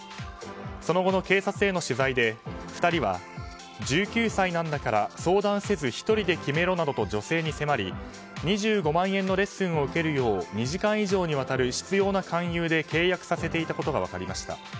その後の警察への取材で２人は、１９歳なんだから相談せず、１人で決めろなどと女性に迫り２５万円のレッスンを受けるよう２時間以上にわたる執拗な勧誘で契約させていたことが分かりました。